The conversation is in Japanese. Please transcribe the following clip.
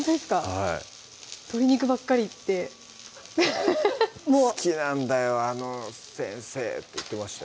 はい鶏肉ばっかりって「好きなんだよあの先生」って言ってましたよ